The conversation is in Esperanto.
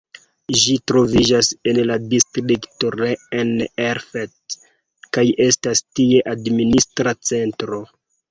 Ĝi troviĝas en la distrikto Rhein-Erft, kaj estas ties administra centro.